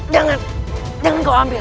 jangan jangan kau ambil